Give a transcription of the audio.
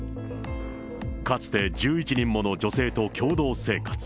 かつて１１人もの女性と共同生活。